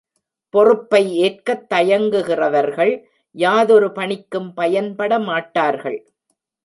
பொறுப்பை ஏற்கத் தயங்குகிறவர்கள் யாதொரு பணிக்கும் பயன்படமாட்டார்கள்.